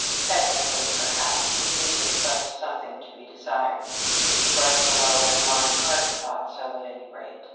Technically, perhaps, the music left something to be desired. Mrs. Barsaloux and Marna Cartan thought so, at any rate.